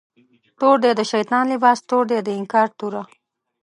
تور دی د شیطان لباس، تور دی د انکار توره